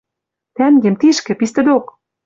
Тӓнгем тишкӹ, пистӹ док.